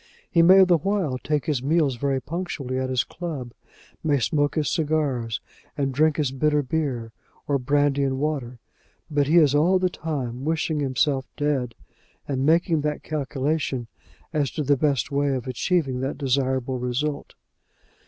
He may the while take his meals very punctually at his club, may smoke his cigars, and drink his bitter beer, or brandy and water; but he is all the time wishing himself dead, and making that calculation as to the best way of achieving that desirable result.